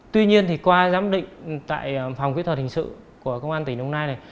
tuy nhiên thì qua giám định tại phòng kỹ thuật hình sự của công an tỉnh đồng nai này